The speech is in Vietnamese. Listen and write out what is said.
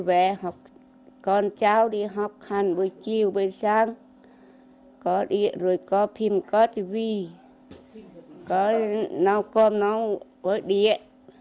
về con cháu đi học hành buổi chiều buổi sáng có điện rồi có phim có tv có nấu cơm nấu có điện